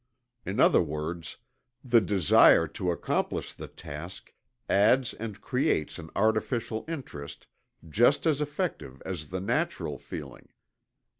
In other words, the desire to accomplish the task adds and creates an artificial interest just as effective as the natural feeling.